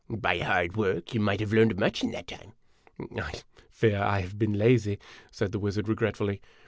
" By hard work you might have learned much in that time." " I fear I have been lazy," said the wizard, regretfully.